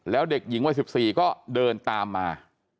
แล้วเด็กหญิงวัย๑๔ก็เดินตามมา